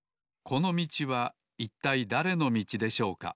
このみちはいったいだれのみちでしょうか？